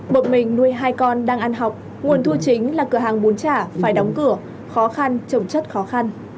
một mình nuôi hai con đang ăn học nguồn thu chính là cửa hàng bún chả phải đóng cửa khó khăn trồng chất khó khăn